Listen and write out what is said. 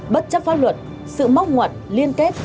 bất chấp pháp luật sự móc ngoặt liên kết